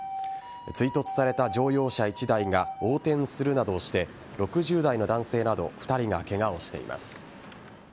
追突された乗用車１台が横転するなどして６０代の男性など２人がケガをしています。